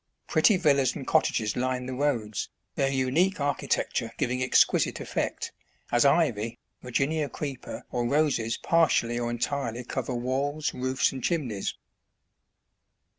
Pretty villas and cottages lined the roads, their unique architecture giving ex quisite effect, as ivy, Virginia creeper or roses par tially or entirely cover walls, roofs, and chimneys.